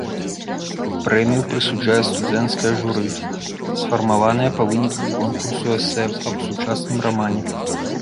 Прэмію прысуджае студэнцкае журы, сфармаванае па выніках конкурсу эсэ аб сучасным рамане.